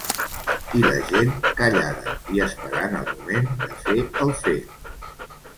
I la gent, callada i esperant el moment de fer el fet.